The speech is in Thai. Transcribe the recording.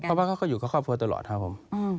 เพราะว่าเขาก็อยู่กับครอบครัวตลอดครับผม